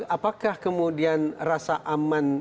apakah kemudian rasa aman